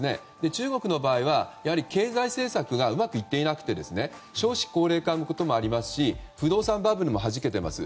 中国の場合は経済政策がうまくいっていなくて少子高齢化のこともありますし不動産バブルもはじけています。